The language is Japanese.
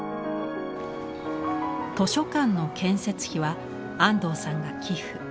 図書館の建設費は安藤さんが寄付。